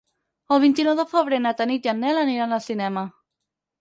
El vint-i-nou de febrer na Tanit i en Nel aniran al cinema.